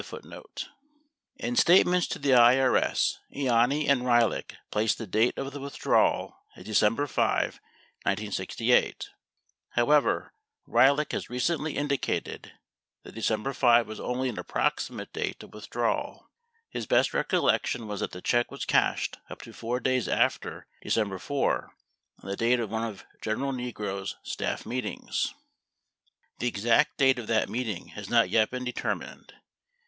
18 In statements to the IRS, Ianni and Ryhlick placed the date of the withdrawal as December 5, 1968. 19 However, Ryhlick has recently indicated that December 5 was only an approximate date of withdrawal. His best recollection was that the check was cashed up to 4 days after Decem ber 4, on the date of one of General Nigro's staff meetings. 20 The exact date of that meeting has not yet been determined.